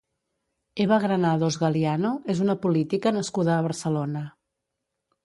Eva Granados Galiano és una política nascuda a Barcelona.